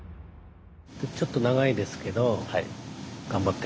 ちょっと長いですけど頑張って。